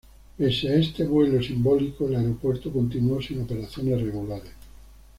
Pese a este vuelo simbólico, el aeropuerto continuó sin operaciones regulares.